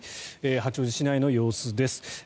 八王子市内の様子です。